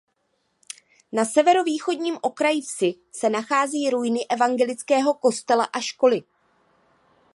Na severovýchodním okraji vsi se nachází ruiny evangelického kostela a školy.